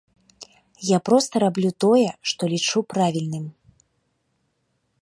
Я проста раблю тое, што лічу правільным.